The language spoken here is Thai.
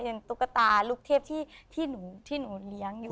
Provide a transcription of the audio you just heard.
ตุ๊กตาลูกเทพที่หนูเลี้ยงอยู่